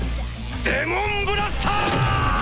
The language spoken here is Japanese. デモンブラスター！